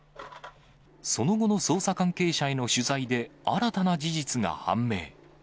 その後の捜査関係者への取材で、新たな事実が判明。